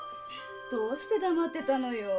どうして黙ってたのよ。